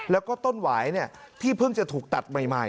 แล้วก็ต้นหวายที่เพิ่งจะถูกตัดใหม่